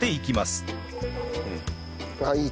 あっいい。